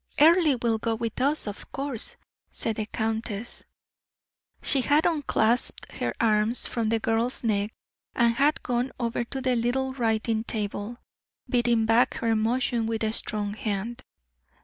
"Earle will go with us, of course," said the countess. She had unclasped her arms from the girl's neck, and had gone over to the little writing table, beating back her emotion with a strong hand.